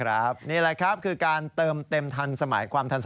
แต่ว่าหลายคนที่ได้ใช้ก็มันหลุดบ่อยไปไหม